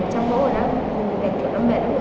xong rồi là chuẩn bị đi